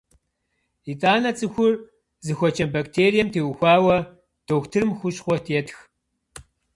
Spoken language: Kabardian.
Итӏанэ цӏыхур зыхуэчэм бактерием теухуауэ дохутырым хущхъуэ етх.